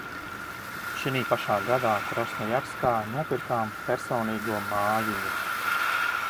Šinī pašā gadā Krasnojarskā nopirkām personīgo mājiņu.